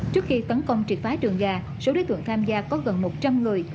trước khi tấn công trị phá trường gà số đối tượng tham gia có gần một trăm linh người